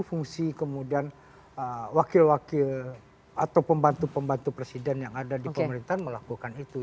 fungsi kemudian wakil wakil atau pembantu pembantu presiden yang ada di pemerintahan melakukan itu